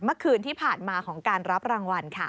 เมื่อคืนที่ผ่านมาของการรับรางวัลค่ะ